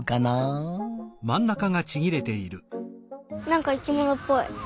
なんかいきものっぽい。